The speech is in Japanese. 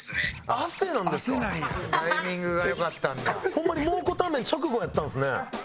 ホンマに蒙古タンメン直後やったんですね。